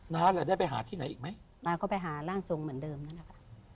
น้าแล้วได้ไปหาที่ไหนอีกไหมน้าก็ไปหาร่างทรงเหมือนเดิมนะครับ